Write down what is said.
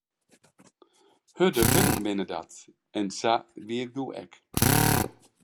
Hurde wurden binne dat, en sa wie ik doe ek.